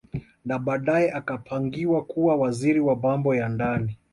Na baadae akapangiwa kuwa Waziri wa Mambo ya Ndani